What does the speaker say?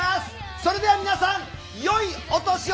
それでは皆さん、よいお年を。